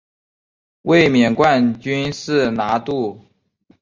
卫冕冠军是拿度。